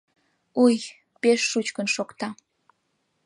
Уй, пеш шучкын шокта.